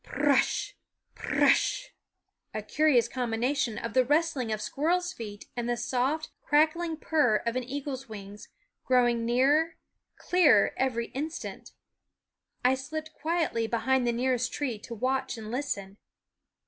Pr r r r ush, pr r r r ush ! a curious combination of the rustling of squirrels' feet and the soft, crackling purr of an eagle's wings, growing nearer, clearer every instant. I slipped quietly behind the nearest tree to watch and listen.